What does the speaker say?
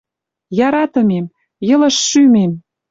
«Яратымем!.. Йылыш шӱмем!